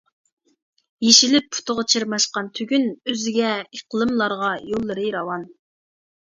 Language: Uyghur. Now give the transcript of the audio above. يېشىلىپ پۇتىغا چىرماشقان تۈگۈن، ئۆزگە ئىقلىملارغا يوللىرى راۋان.